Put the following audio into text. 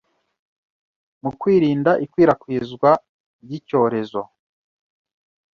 mu kwirinda ikwirakwiza ry’icyorezo